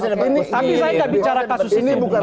tapi saya gak bicara kasus ini